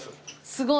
すごい。